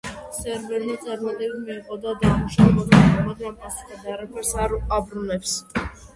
სერვერმა წარმატებით მიიღო და დაამუშავა მოთხოვნა, მაგრამ პასუხად არაფერს არ აბრუნებს.